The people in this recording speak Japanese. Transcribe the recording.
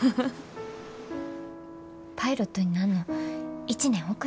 パイロットになんの１年遅れんねん。